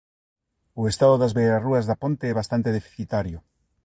O estado das beirarrúas da ponte é bastante deficitario.